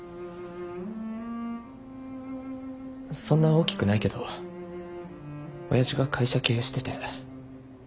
そんな大きくないけど親父が会社経営してて。